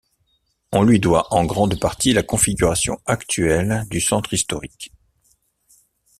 On lui doit en grande partie la configuration actuelle du centre historique.